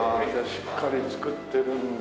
しっかり造ってるんだ。